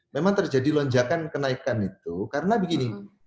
memang terjadi lonjakan kenaikan itu karena begini